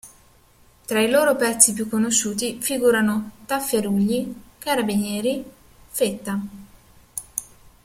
Tra i loro pezzi più conosciuti figurano "Tafferugli", "Carabinieri", "Fetta".